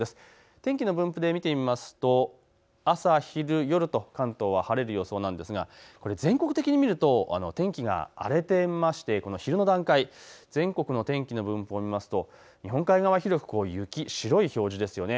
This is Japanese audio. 天気の分布で見てみますと朝昼夜と関東は晴れる予想なんですが、これ全国的に見ると、天気が荒れていましてこの昼の段階、全国の天気の分布を見ますと日本海側、広く雪、白い表示ですよね。